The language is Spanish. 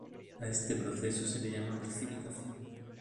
A este proceso se le llama precipitación.